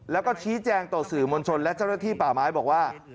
แล้วก็ชี้แจงต่อสื่อมวลชนและเจ้าหน้าที่ป่าไม้บอกว่า